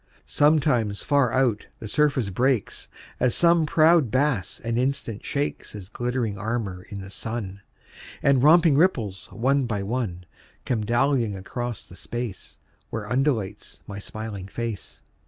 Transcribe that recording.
Sometimes, far out, the surface breaks, As some proud bass an instant shakes His glittering armor in the sun, And romping ripples, one by one, Come dallyiong across the space Where undulates my smiling face.